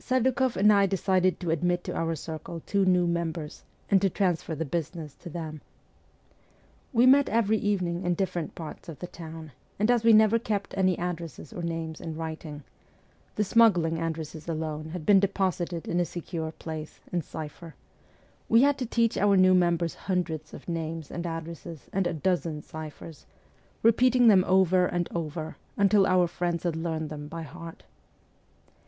Serdukoff and I decided to admit to our circle two new members, and to transfer the busi ness to them. We met every evening in different parts of the town, and as we never kept any addresses or names in writing the smuggling addresses alone had been deposited in a secure place, in cipher we had to teach our new members hundreds of names and addresses and a dozen ciphers, repeating them over and ST. PETERSBURG 125 over, until our friends had learned them by heart.